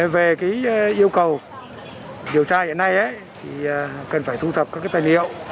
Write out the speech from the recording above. về yêu cầu điều tra hiện nay thì cần phải thu thập các tài liệu